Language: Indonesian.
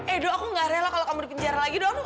edo aku nggak rela kalau kamu di penjara lagi dong